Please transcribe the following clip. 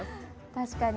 確かに。